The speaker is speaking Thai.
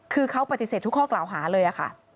คือเขาปฏิเสธทุกข้อกล่าวหาเลยค่ะ